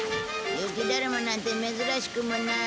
雪だるまなんて珍しくもない。